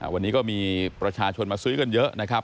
วันนี้ก็มีประชาชนมาซื้อกันเยอะนะครับ